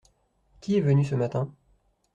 Qui est venu ce matin ?